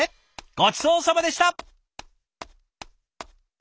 ごちそうさまでした！